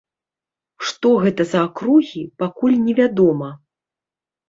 Што гэта за акругі, пакуль невядома.